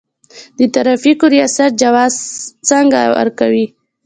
د ترافیکو ریاست جواز سیر څنګه ورکوي؟